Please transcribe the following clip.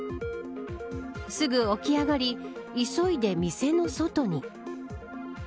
すぐ起き上がり急いで店の外に。